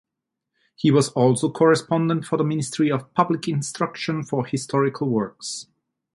He was also correspondent for the Ministry of Public Instruction for Historical Works.